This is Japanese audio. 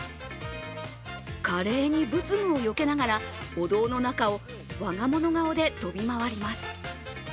華麗に仏具をよけながらお堂の中を我が物顔で飛び回ります。